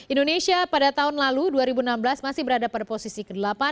indonesia pada tahun lalu dua ribu enam belas masih berada pada posisi ke delapan